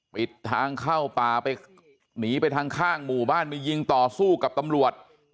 ปิดทางเข้าป่าไปหนีไปทางข้างหมู่บ้านไปยิงต่อสู้กับตำรวจ